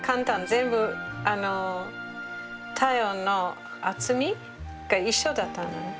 全部タイルの厚みが一緒だったのね。